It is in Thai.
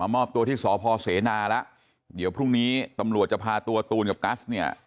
มอบตัวที่สพเสนาแล้วเดี๋ยวพรุ่งนี้ตำรวจจะพาตัวตูนกับกัสเนี่ย